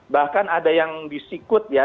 bahkan ada yang disikut ya